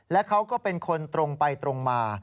และเขาก็เป็นคนตรงไปตรงมา